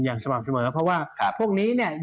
อย่างสม่ำสมบัติก็เพราะว่าพวกนี้เนี่ย